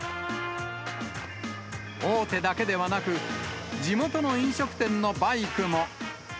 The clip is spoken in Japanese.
大手だけではなく、地元の飲食店のバイクも。